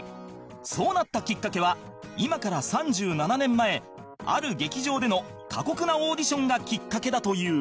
そうなったきっかけは今から３７年前ある劇場での過酷なオーディションがきっかけだという